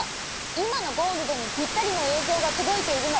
いまのゴールドにぴったりのえいぞうがとどいているの。